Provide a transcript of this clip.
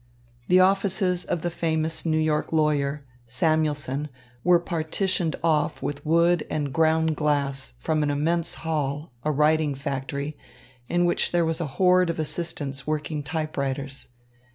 The offices of the famous New York lawyer, Samuelson, were partitioned off with wood and ground glass from an immense hall, a writing factory, in which there was a horde of assistants working typewriters.